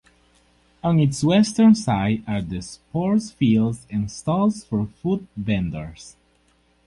On its western side are the sports fields and stalls for food vendors.